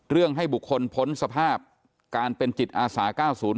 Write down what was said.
ให้บุคคลพ้นสภาพการเป็นจิตอาสา๙๐